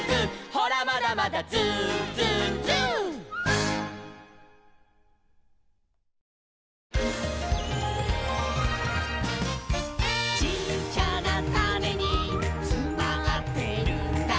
「ほらまだまだＺｏｏＺｏｏＺｏｏ」「ちっちゃなタネにつまってるんだ」